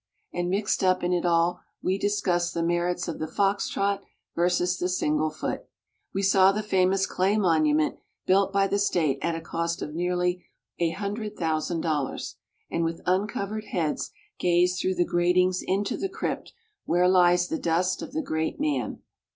And mixed up in it all we discussed the merits of the fox trot versus the single foot. We saw the famous Clay monument, built by the State at a cost of nearly a hundred thousand dollars, and with uncovered heads gazed through the gratings into the crypt where lies the dust of the great man.